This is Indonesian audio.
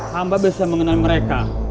hamba bisa mengenal mereka